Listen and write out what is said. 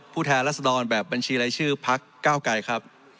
ผู้แทนลักษณ์ดอนแบบบัญชีไร้ชื่อพรรคเก้าไก่ครับ